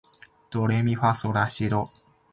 ドレミファソラシド